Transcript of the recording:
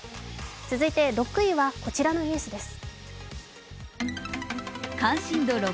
続いて６位はこちらのニュースです